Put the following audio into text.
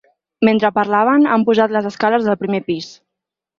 Mentre parlaven han pujat les escales del primer pis.